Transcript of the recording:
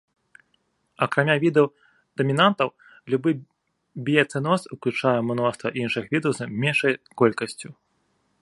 Акрамя відаў-дамінантаў, любы біяцэноз уключае мноства іншых відаў з меншай колькасцю.